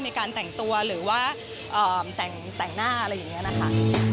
ในการแต่งตัวหรือว่าแต่งหน้าอะไรอย่างนี้นะคะ